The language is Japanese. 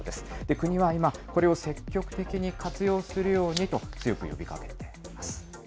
国は今、これを積極的に活用するようにと強く呼びかけています。